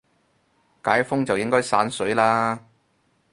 解封就應該散水啦